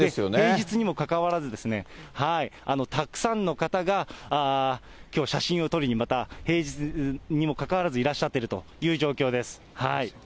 平日にもかかわらずですね、たくさんの方がきょう、写真を撮りにまた平日にもかかわらず、いらっしゃってるという状